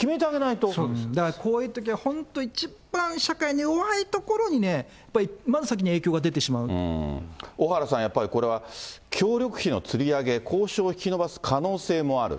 だからこういうときは、本当一番社会の弱いところに、やっぱりまず先に影響が出てしまう小原さん、これはやっぱり協力費のつり上げ、交渉引き延ばす可能性もある。